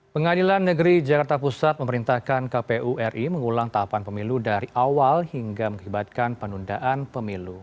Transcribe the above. pengadilan negeri jakarta pusat memerintahkan kpu ri mengulang tahapan pemilu dari awal hingga mengibatkan penundaan pemilu